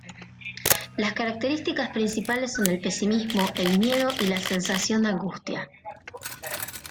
Las características principales son el pesimismo, el miedo y la sensación de angustia.